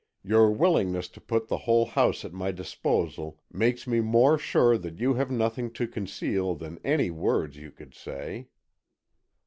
"Your willingness to put the whole house at my disposal makes me more sure you have nothing to conceal than any words you could say."